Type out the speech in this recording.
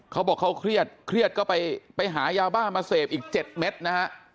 เขาบอกเขาเครียดเครียดก็ไปหายาบ้ามาเสพอีก๗เม็ดนะฮะ